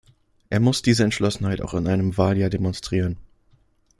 Er muss diese Entschlossenheit auch in einem Wahljahr demonstrieren.